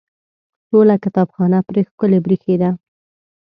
ټوله کتابخانه پرې ښکلې برېښېده.